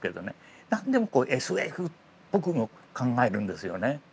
何でもこうＳＦっぽく考えるんですよね。